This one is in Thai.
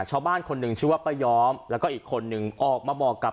ชาวบ้านคนหนึ่งชื่อว่าป้าย้อมแล้วก็อีกคนนึงออกมาบอกกับ